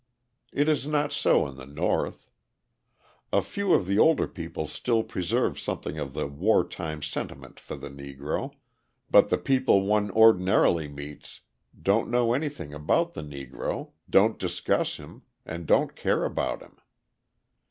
It is not so in the North. A few of the older people still preserve something of the war time sentiment for the Negro; but the people one ordinarily meets don't know anything about the Negro, don't discuss him, and don't care about him.